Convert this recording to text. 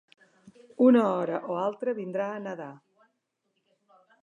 Una hora o altra vindrà a nedar.